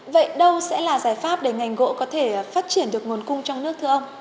vậy đâu sẽ là giải pháp để ngành gỗ có thể phát triển được nguồn cung trong nước thưa ông